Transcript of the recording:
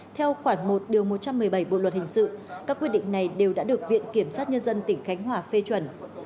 theo khoản một một trăm một mươi bảy bộ luật hình sự các quyết định này đều đã được viện kiểm sát nhân dân tỉnh khánh hòa phê chuẩn